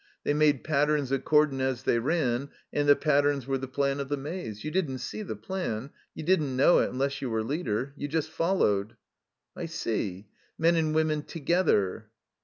They made patterns accord in' as they ran, and the patterns were the plan of the maze. You didn't see the plan. You didn't know it, unless you were leader. You just followed. "'I see. Men and women together."